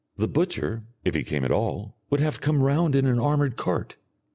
The butcher, if he came at all, would have to come round in an armoured cart....